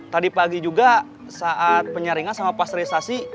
tadi pagi juga saat penyaringan sama pasterisasi